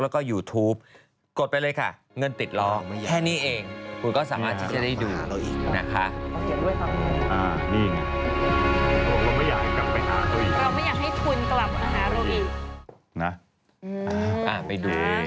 อ่าไปดูเต็มซำนี้